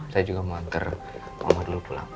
saya juga mau hantar mama dulu pulang